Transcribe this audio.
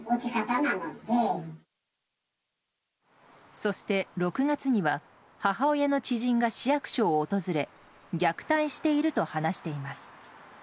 そして、６月には母親の知人が市役所を訪れ虐待していると話しています。